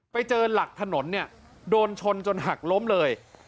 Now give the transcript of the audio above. ไปเจอหลักถนนเนี่ยโดนชนจนหักล้มเลย